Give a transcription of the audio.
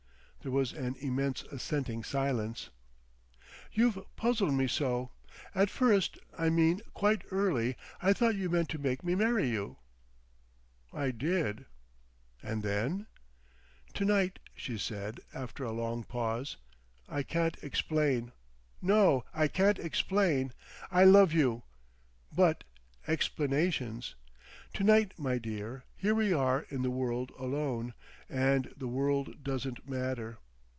There was an immense assenting silence. "You've puzzled me so. At first—I mean quite early—I thought you meant to make me marry you." "I did." "And then?" "To night," she said after a long pause, "I can't explain. No! I can't explain. I love you! But—explanations! To night my dear, here we are in the world alone—and the world doesn't matter.